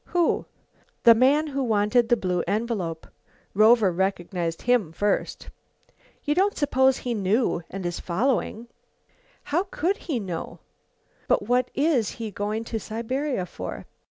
"Who?" "The man who wanted the blue envelope; Rover recognized him first." "You don't suppose he knew, and is following?" "How could he know?" "But what is he going to Siberia for?"